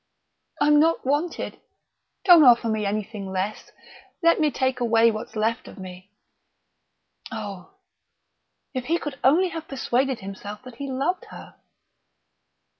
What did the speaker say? "I'm not wanted don't offer me anything less let me take away what's left of me " Oh, if he could only have persuaded himself that he loved her!